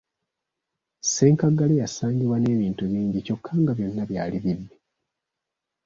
Ssenkaggale yasangibwa n’ebintu bingi kyokka nga byonna byali bibbe.